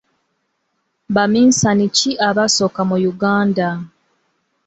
Baminsani ki abasooka mu Uganda?